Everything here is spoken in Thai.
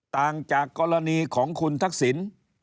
ต่างจากกรณีของคุณทักษิณ